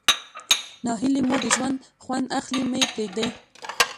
ناهلي مو د ژوند خوند اخلي مه ئې پرېږدئ.